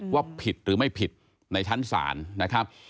ว่าผิดหรือไม่ผิดในชั้นศาลนะครับ